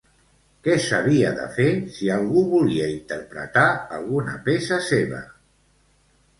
Què s'havia de fer si algú volia interpretar alguna peça seva?